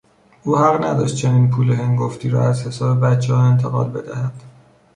او حق نداشت چنین پول هنگفتی را از حساب بچهها انتقال بدهد.